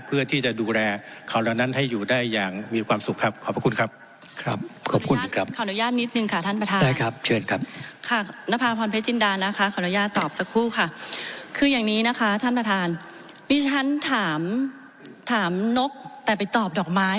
เพื่อที่จะดูแลเขาและนั้นให้อยู่ได้อย่างมีความสุขครับขอบคุณครับ